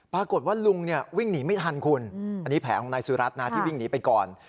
ปรากฏว่าลุงวิ่งหนีไม่ทันคุณอันนี้แผลของนายสุรัตนนะที่วิ่งหนีไปก่อน